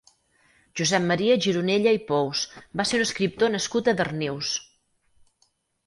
Josep Maria Gironella i Pous va ser un escriptor nascut a Darnius.